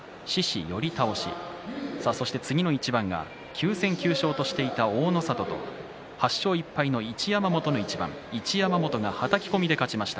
９戦９勝としていた大の里と８勝１敗の一山本の一番一山本、はたき込みで勝ちました。